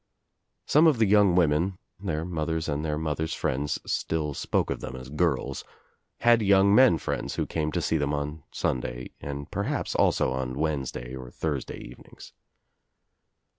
Some of the young women — their mothers and their mothers' friends still spoke of them as girls — had young men friends who came to see them on Sunday and perhaps also on Wednesday or Thursday evenings.